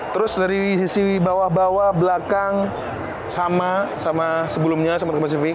terus dari sisi bawah bawah belakang sama sama sebelumnya sama kompastv